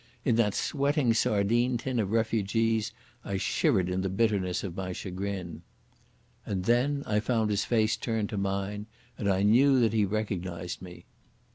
In that sweating sardine tin of refugees I shivered in the bitterness of my chagrin. And then I found his face turned to mine, and I knew that he recognised me.